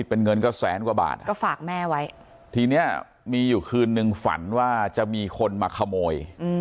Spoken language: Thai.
เป็นเงินก็แสนกว่าบาทก็ฝากแม่ไว้ทีเนี้ยมีอยู่คืนนึงฝันว่าจะมีคนมาขโมย